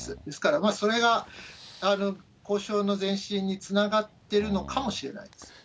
ですから、それが、交渉の前進につながっているのかもしれないです。